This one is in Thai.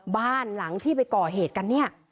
บ้านหลังที่ไปก่อเหตุกันเนี่ย